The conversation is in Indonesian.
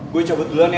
gue cabut duluan ya